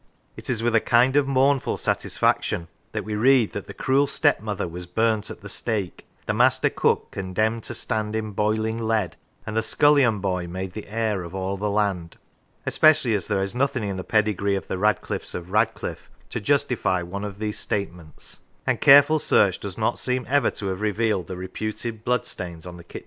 It is with a kind of mournful satisfaction that we read that the cruel stepmother was burnt at the stake, the master cook condemned to stand in boiling lead, and the scullion boy made the heir of all the land; especially as there is nothing in the pedigree of the Radcliffes of Radcliffe to justify one of these state ments;, and careful search does not seem ever to have revealed the reputed bloodstains on the kitchen floor.